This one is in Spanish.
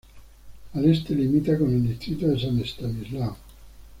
Al este limita con el Distrito de San Estanislao.